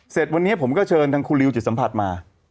เสร็จวันนี้ผมก็เชิญทางครูริวจิตสัมผัสมา